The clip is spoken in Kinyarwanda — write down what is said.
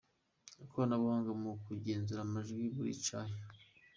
Ikoranabuhanga mu kugenzura amajwi barica he?